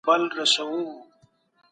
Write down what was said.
فینا استروئیډ د کمښت مخه نیسي.